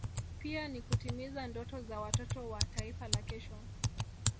pia ni kutimiza ndoto za watoto wa Taifa la kesho